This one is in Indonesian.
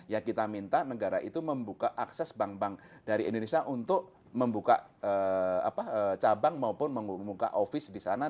ya kita minta negara itu membuka akses bank bank dari indonesia untuk membuka cabang maupun membuka office di sana